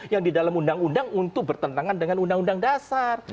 yang di dalam undang undang untuk bertentangan dengan undang undang dasar